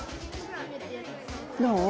どう？